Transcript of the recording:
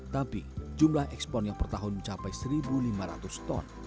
tapi jumlah ekspornya per tahun mencapai satu lima ratus ton